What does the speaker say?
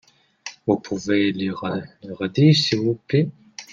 Vous pouvez le redire s'il vous plait ?